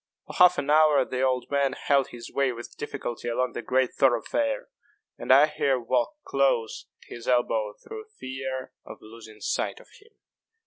For half an hour the old man held his way with difficulty along the great thoroughfare; and I here walked close at his elbow through fear of losing sight of him.